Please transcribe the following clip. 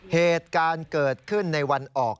เหตุการณ์เกิดขึ้นในวันออก